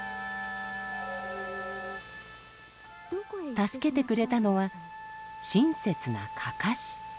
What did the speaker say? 助けてくれたのは親切なかかし。